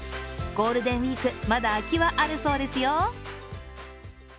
ゴールデンウイーク、まだ空きはあるそうですよ。